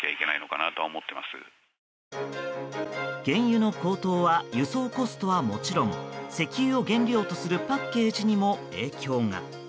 原油の高騰は輸送コストはもちろん石油を原料とするパッケージにも影響が。